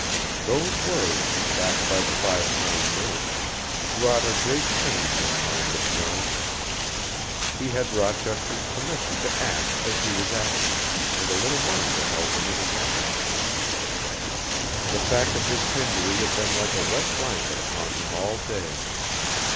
Those words, backed by the five pound note, wrought a great change in the mind of Jones. He had Rochester's permission to act as he was acting, and a little money to help him in his actions. The fact of his penury had been like a wet blanket upon him all day.